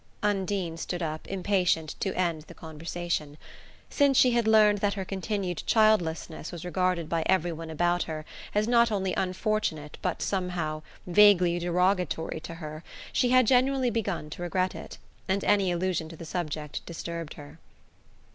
Undine stood up, impatient to end the conversation. Since she had learned that her continued childlessness was regarded by every one about her as not only unfortunate but somehow vaguely derogatory to her, she had genuinely begun to regret it; and any allusion to the subject disturbed her.